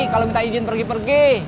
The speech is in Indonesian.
kalau minta izin pergi pergi